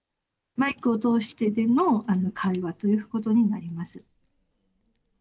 マイクを通してでの会話ということになります。